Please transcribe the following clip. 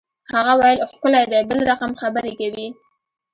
هغه ویل ښکلی دی بل رقم خبرې کوي